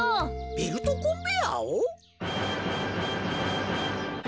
ベルトコンベヤーを？